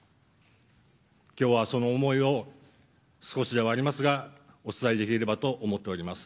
今日は、その思いを少しではありますがお伝えできればと思っております。